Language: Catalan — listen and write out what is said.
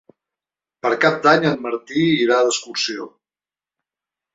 Per Cap d'Any en Martí irà d'excursió.